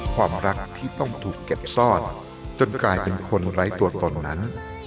ความรักที่ต้องถูกเก็บซ่อนจนกลายเป็นคนไร้ตัวตนนั้น